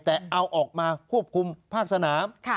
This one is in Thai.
แต่เอาออกมาควบคุมภาคสนาม